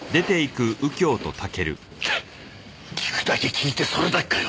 聞くだけ聞いてそれだけかよ。